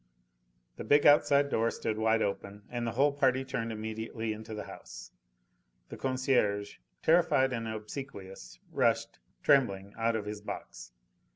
The big outside door stood wide open, and the whole party turned immediately into the house. The concierge, terrified and obsequious, rushed trembling out of his box.